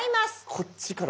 こっちから。